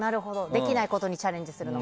できないことにチャレンジするのは。